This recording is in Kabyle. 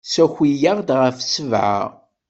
Ssaki-aɣ-d ɣef ssebɛa.